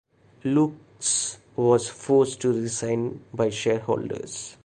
Loucks was forced to resign by shareholders.